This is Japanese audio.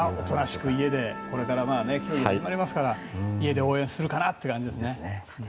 これから競技が始まりますから家で応援するかなという感じですね。